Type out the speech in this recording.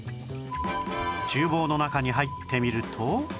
厨房の中に入ってみると